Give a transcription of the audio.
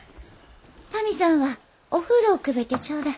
タミさんはお風呂をくべてちょうだい。